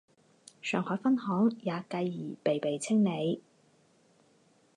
上海分行也继而被被清理。